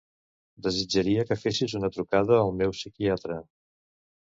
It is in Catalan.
Desitjaria que fessis una trucada al meu psiquiatre.